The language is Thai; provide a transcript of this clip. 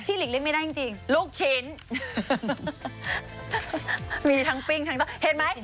หลีกเลี่ยงไม่ได้จริงจริงลูกชิ้นมีทั้งปิ้งทั้งเห็นไหม